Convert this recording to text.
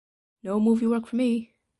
No movie work for me!